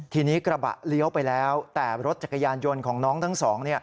ทีนี้กระบะเลี้ยวไปแล้วแต่รถจักรยานยนต์ของน้องทั้งสอง